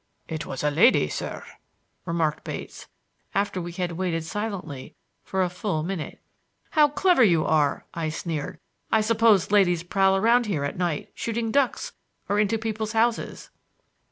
"It was a lady, sir," remarked Bates, after we had waited silently for a full minute. "How clever you are!" I sneered. "I suppose ladies prowl about here at night, shooting ducks or into people's houses."